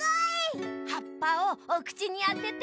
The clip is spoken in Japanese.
はっぱをおくちにあてて。